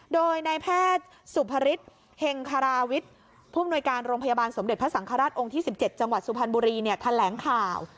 โดยนายแพทย์สุภฤษเฮงคาราวิทย์ผู้อำนวยการโรงพยาบาลสมเด็จพระสังฆราชองค์ที่๑๗จังหวัดสุพรรณบุรีแถลงข่าว